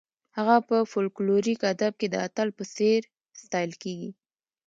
هغه په فولکلوریک ادب کې د اتل په څېر ستایل کیږي.